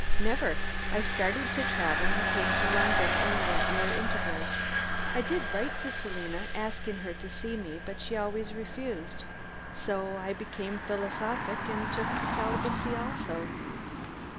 "Never. I started to travel, and came to London only at rare intervals. I did write to Selina, asking her to see me, but she always refused, so I became philosophic and took to celibacy also."